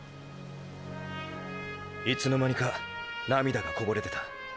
いつの間にか涙がこぼれてた。